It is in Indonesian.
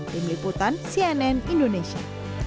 tim liputan cnn indonesia